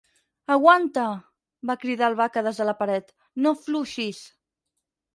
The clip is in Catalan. Aguanta! —va cridar el Vaca des de la paret— No afluixis!